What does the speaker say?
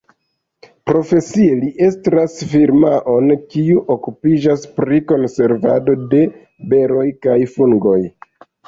Profesie li estras firmaon, kiu okupiĝas pri konservado de beroj kaj fungoj.